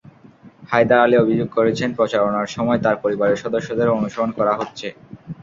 হায়দার আলী অভিযোগ করেছেন, প্রচারণার সময় তাঁর পরিবারের সদস্যদের অনুসরণ করা হচ্ছে।